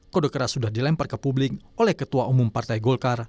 kode keras sudah dilempar ke publik oleh ketua umum partai golkar